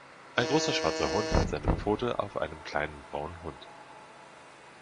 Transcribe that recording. Ein großer schwarzer Hund hat seine Pfote auf einem kleinen braunen Hund.